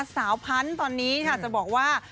สาวพันต์ตอนนี้จะบอกว่า